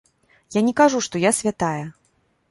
Я не кажу, што я святая.